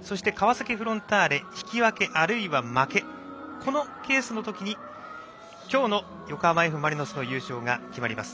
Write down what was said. そして、川崎フロンターレ引き分け、あるいは負けこのケースのときに今日の横浜Ｆ・マリノスの優勝が決まります。